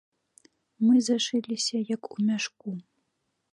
Мы зашыліся, як у мяшку.